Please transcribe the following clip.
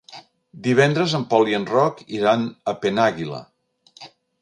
Divendres en Pol i en Roc iran a Penàguila.